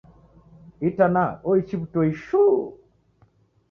Itanaha oichi w'utoi shuu